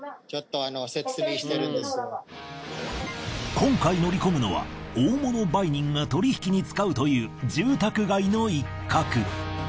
今回乗り込むのは大物売人が取引に使うという住宅街の一角。